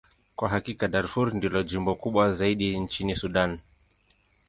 Kwa hakika, Darfur ndilo jimbo kubwa zaidi nchini Sudan.